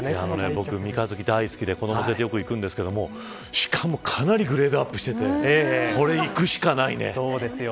僕、三日月大好きで子どもを連れてよく行くんですけどしかもかなりグレードアップしててこれ、行くしかないね。